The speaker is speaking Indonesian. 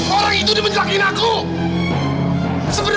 orang itu dimenjelakin aku